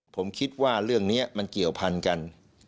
ผมคิดว่าเรื่องนี้มันเกี่ยวพันกัน